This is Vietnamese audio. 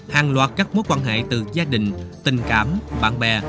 hàng loạt các mối quan hệ từ gia đình tình cảm bạn bè